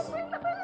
gue yang dapat